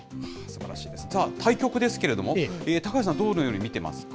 対局ですけれども、高橋さん、どのように見てますか。